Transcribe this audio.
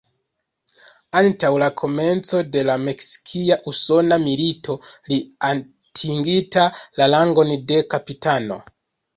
Antaŭ la komenco de la Meksikia-Usona Milito, li atingita la rangon de kapitano.